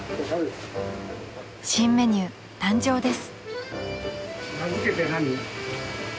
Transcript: ［新メニュー誕生です］